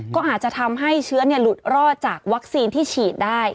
ก็อาจจะทำให้เชื้อหลุดรอดจากวัคซีนที่ฉีดได้